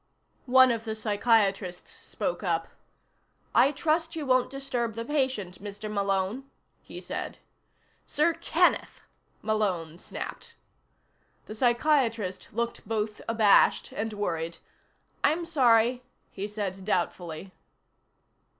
One of the psychiatrists spoke up. "I trust you won't disturb the patient, Mr. Malone," he said. "Sir Kenneth," Malone snapped. The psychiatrist looked both abashed and worried. "I'm sorry," he said doubtfully.